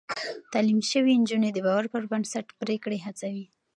تعليم شوې نجونې د باور پر بنسټ پرېکړې هڅوي.